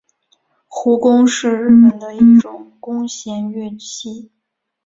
胡弓是日本的一种弓弦乐器。